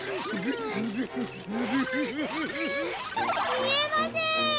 みえません！